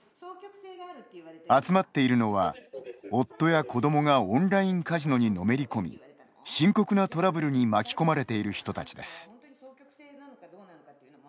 集まっているのは、夫や子どもがオンラインカジノにのめり込み深刻なトラブルに巻き込まれている人たちです。